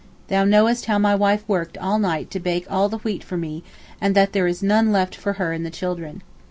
Thou knowest how my wife worked all night to bake all the wheat for me and that there is none left for her and the children.